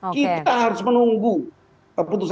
kita harus menunggu